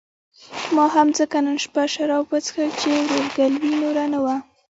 ما هم ځکه نن شپه شراب وڅښل چې ورورګلوي نوره نه وه.